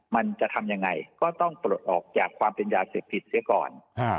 มันจะทำยังไงก็ต้องปลดออกจากความเป็นยาเสพติดเสียก่อน